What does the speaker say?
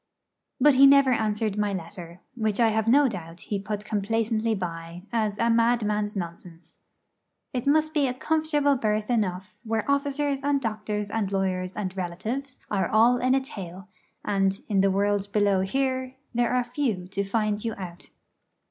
But he never answered my letter; which I have no doubt he put complacently by, as a madman's nonsense. It must be a comfortable berth enough where officers and doctors and lawyers and relatives are all in a tale, and, in the world below here, there are few to find you out.